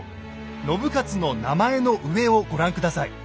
信雄の名前の上をご覧下さい。